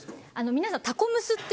皆さん。